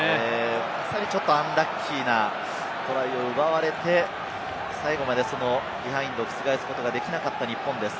まさにアンラッキーなトライを奪われて、最後まで覆すことができなかった日本です。